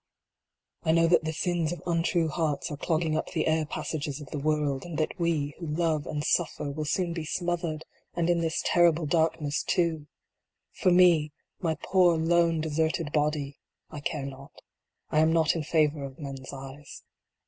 I know that the sins of untrue hearts are clogging up the air passages of the world, and that we, who love and suffer, will soon be smothered, and in this terrible dark ness too. For me my poor lone, deserted body I care not I am not in favor of men s eyes.